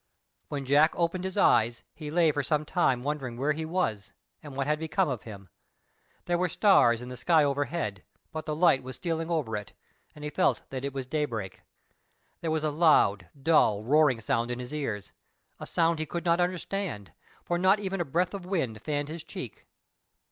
When Jack opened his eyes he lay for some time wondering where he was and what had become of him. There were stars in the sky overhead, but the light was stealing over it, and he felt that it was daybreak. There was a loud, dull, roaring sound in his ears—a sound he could not understand, for not even a breath of wind fanned his cheek.